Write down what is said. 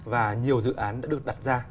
và nhiều dự án đã được đặt ra